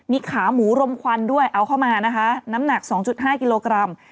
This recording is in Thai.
มีขาหมูรมควันด้วยเอาเข้ามานะคะน้ำหนัก๒๕กิโลกรัม